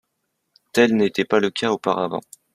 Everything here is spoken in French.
Tel n’était pas le cas auparavant.